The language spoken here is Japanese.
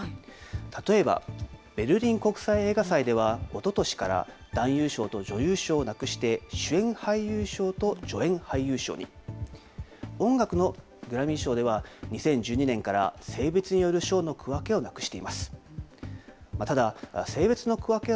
例えば、ベルリン国際映画祭ではおととしから男優賞と女優賞をなくして主演俳優賞と助演俳優賞に音楽のグラミー賞では、２０１２年から性別による性の区分けをなくしています。